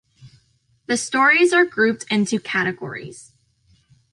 The stories are grouped into categories.